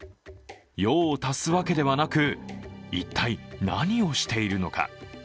用を足すわけではなく、一体何をしているのか。